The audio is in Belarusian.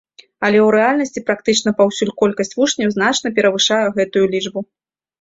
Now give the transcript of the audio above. Але ў рэальнасці практычна паўсюль колькасць вучняў значна перавышае гэтую лічбу.